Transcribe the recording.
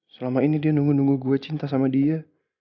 selama ini dia nunggu nunggu gue cinta sama dia